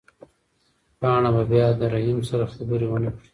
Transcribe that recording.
پاڼه به بیا له رحیم سره خبرې ونه کړي.